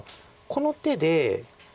この手で。